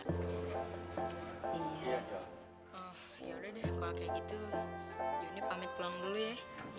oh yaudah deh kalau kayak gitu joni pamit pulang dulu ya